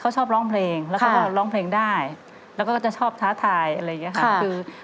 เขาชอบร้องเพลงแล้วก็ร้องเพลงได้แล้วก็จะชอบท้าทายอะไรอย่างนี้ค่ะคือ